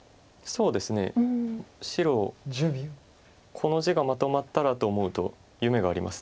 この地がまとまったらと思うと夢があります。